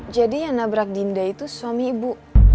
jadi yang nabrak dinda itu suami ibu